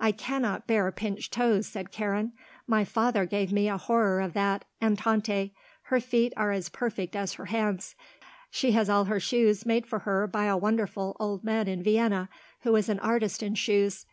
"I cannot bear pinched toes," said Karen. "My father gave me a horror of that; and Tante. Her feet are as perfect as her hands. She has all her shoes made for her by a wonderful old man in Vienna who is an artist in shoes.